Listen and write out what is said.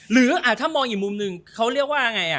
หรือถ้ามองอีกมุมหนึ่งเขาเรียกว่าไง